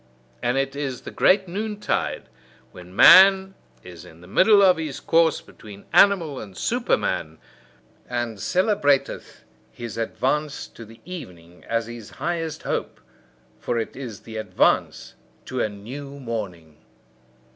And it is the great noontide, when man is in the middle of his course between animal and Superman, and celebrateth his advance to the evening as his highest hope: for it is the advance to a new morning.